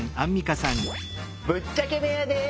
ぶっちゃけ部屋です。